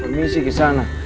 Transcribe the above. permisi ke sana